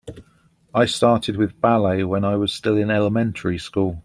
I started with ballet when I was still in elementary school.